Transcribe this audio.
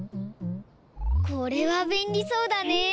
これはべんりそうだね。